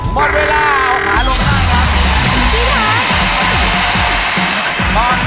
หมดเวลาขาลงทางครับ